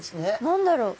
何だろう？